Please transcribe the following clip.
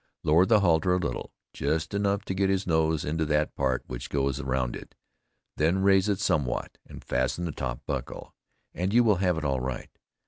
Lower the halter a little, just enough to get his nose into that part which goes around it, then raise it somewhat, and fasten the top buckle, and you will have it all right.